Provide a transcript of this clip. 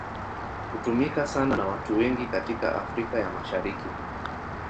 Hutumika sana na watu wengi katika Afrika ya Mashariki.